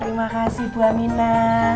terima kasih bu aminah